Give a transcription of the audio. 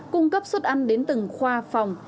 cung cấp xuất ăn đến từng khoa phòng